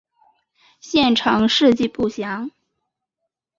县成事迹不详。